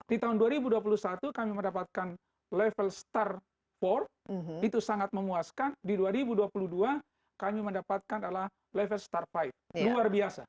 di tahun dua ribu dua puluh satu kami mendapatkan level star empat itu sangat memuaskan di dua ribu dua puluh dua kami mendapatkan adalah level star pipe luar biasa